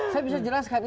saya bisa jelaskan